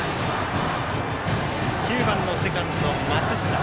９番のセカンド、松下。